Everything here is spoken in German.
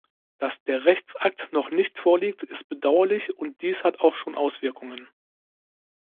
Dass der Rechtsakt noch nicht vorliegt, ist bedauerlich und dies hat auch schon Auswirkungen.